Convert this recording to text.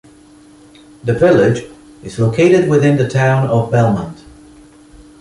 The village is located within the Town of Belmont.